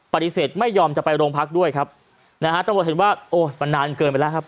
ปฏิเสธไม่ยอมจะไปโรงพักด้วยครับนะฮะตำรวจเห็นว่าโอ้ยมันนานเกินไปแล้วครับ